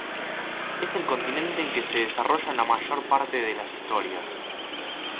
Es el continente en que se desarrollan la mayor parte de las historias.